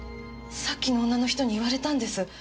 さっきの女の人に言われたんです。